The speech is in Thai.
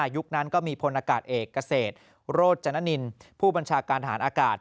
ยุคนั้นก็มีพลอากาศเอกเกษตรโรจนนินผู้บัญชาการทหารอากาศ